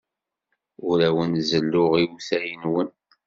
Ur awen-zelluɣ iwtal-nwen.